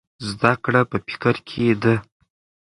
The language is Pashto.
زده کړه په فکر کې ده.